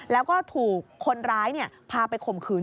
แล้วก็ถูกคนร้ายพาไปข่มขืน